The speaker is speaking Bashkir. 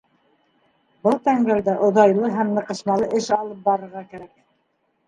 Был тәңгәлдә оҙайлы һәм ныҡышмалы эш алып барырға кәрәк.